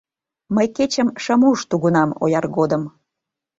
Мый кечым шым уж тугунам ояр годым